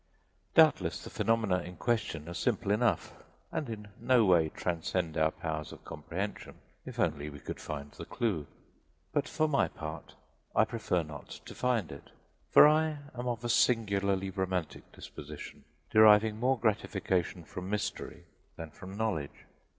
Doubtless the phenomena in question are simple enough, and in no way transcend our powers of comprehension if only we could find the clew; but for my part I prefer not to find it, for I am of a singularly romantic disposition, deriving more gratification from mystery than from knowledge.